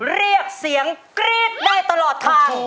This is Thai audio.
เรียกเสียงกรี๊ดได้ตลอดทาง